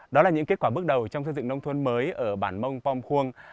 đó là những kết quả bước đầu trong xây dựng nông thuận mới ở bản mông phong khuông